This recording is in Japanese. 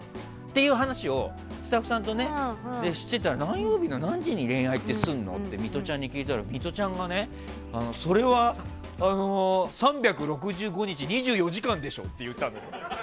そういう話をスタッフさんとしてたら何曜日の何時に恋愛ってするの？ってミトちゃんに聞いたらミトちゃんがそれは３６５日２４時間でしょと言ったの。